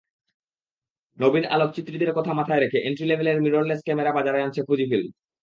নবীন আলোকচিত্রীদের কথা মাথায় রেখে এন্ট্রি লেভেলের মিররলেস ক্যামেরা বাজারে আনছে ফুজিফিল্ম।